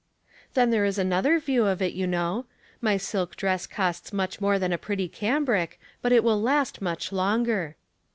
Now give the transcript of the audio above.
" Then there is another view of it, you know. My silk dress costs much more than a pretty cambric, but it will last much longer."